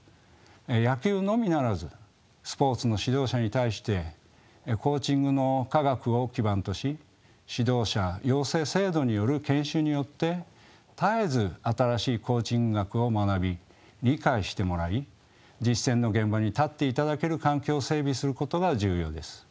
野球のみならずスポーツの指導者に対してコーチングの科学を基盤とし指導者養成制度による研修によって絶えず新しいコーチング学を学び理解してもらい実践の現場に立っていただける環境を整備することが重要です。